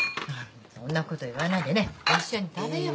そんなこと言わないでねえ一緒に食べよう。